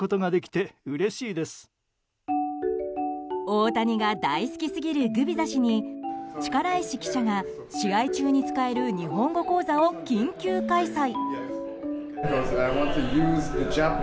大谷が大好きすぎるグビザ氏に力石記者が試合中に使える日本語講座を緊急開催。